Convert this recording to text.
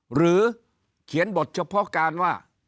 หรือเขียนบทเฉพาะการว่า